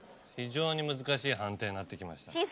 非常に難しい判定になってきました。